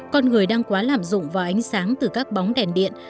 con người đang quá lạm dụng vào ánh sáng từ các bóng đèn điện